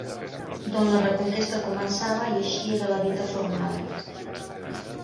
D'on la Reconquesta començava i així era la dita formada.